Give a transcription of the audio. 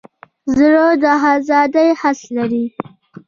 زړه د ازادۍ حس لري.